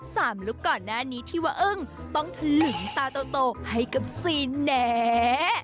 สามลูกก่อนแน่นี้ที่วะอึ้งต้องทะลึงตาโตโตให้กับซีนแหน่